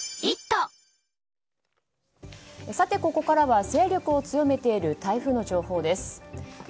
ここからは勢力を強めている台風の情報です。